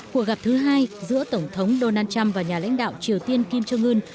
cuộc gặp thứ hai giữa tổng thống donald trump và nhà lãnh đạo triều tiên kim trương ươn